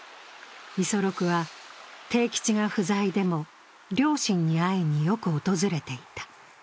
五十六は悌吉が不在でも両親に会いによく訪れていた。